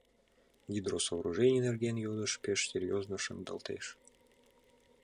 Гидросооружений нерген йодыш пеш серьёзно шындалтеш.